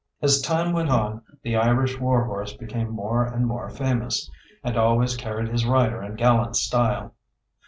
As time went on, the Irish war horse became more and more famous, and always carried his rider in gallant style.